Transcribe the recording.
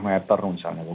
satu hal misalnya